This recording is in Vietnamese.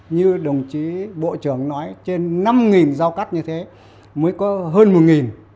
như đồng chí bộ trưởng nói trên năm giao cắt như thế mới có hơn một